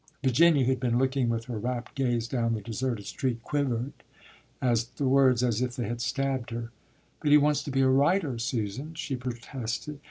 Virginia, who had been looking with her rapt gaze down the deserted street, quivered at the words as if they had stabbed her. "But he wants to be a writer, Susan," she protested.